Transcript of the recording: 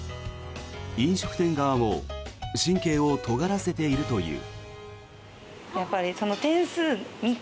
飲食店側も神経をとがらせているという。